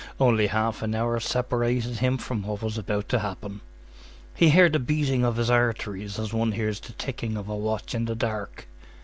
Only half an hour separated him from what was about to happen. He heard the beating of his arteries as one hears the ticking of a watch in the dark.